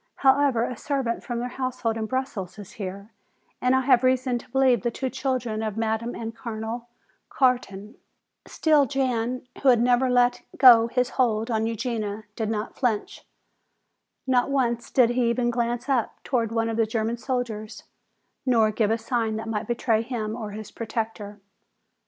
"However, a servant from their household in Brussels is here and I have reason to believe the two children of Madame and Colonel Carton." Still Jan, who had never let go his hold on Eugenia, did not flinch. Not once did he even glance up toward one of the German soldiers, nor give a sign that might betray him or his protector.